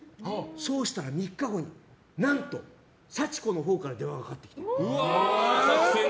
そうしたら、３日後に何と佐智子のほうから電話がかかってきたの。